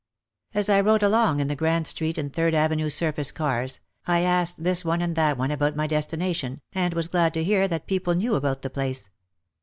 As I rode along in the Grand Street and Third Ave nue surface cars I asked this one and that one about my destination and was glad to hear that people knew about the place.